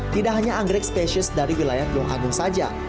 tidak hanya anggrek spesies dari wilayah tulung agung saja